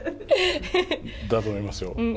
だと思いますよ。